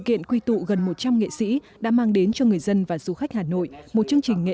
diễn tựu gần một trăm linh nghệ sĩ đã mang đến cho người dân và du khách hà nội một chương trình nghệ